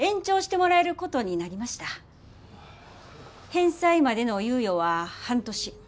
返済までの猶予は半年。